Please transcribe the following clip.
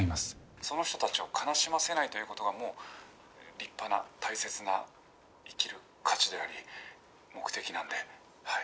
「その人たちを悲しませないという事がもう立派な大切な生きる価値であり目的なのではい」